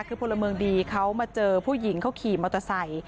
คือพลเมืองดีเขามาเจอผู้หญิงเขาขี่มอเตอร์ไซค์